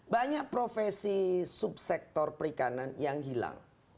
banyak profesi subsektor perikanan yang hilang